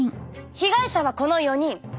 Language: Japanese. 被害者はこの４人。